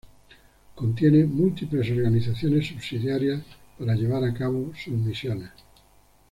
Contiene múltiples organizaciones subsidiarias para llevar a cabo sus misiones.